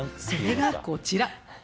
それがこちら。